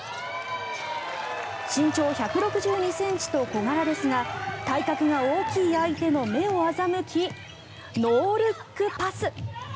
身長１６２ｃｍと小柄ですが体格が大きい相手の目を欺きノールックパス。